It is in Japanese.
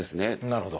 なるほど。